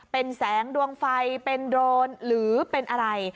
เป็นแสงดวงไฟเป็นโดรนหรือเป็นอะไร